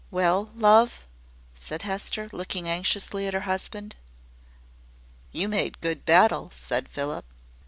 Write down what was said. "Well, love!" said Hester, looking anxiously at her husband. "You made good battle," said Philip.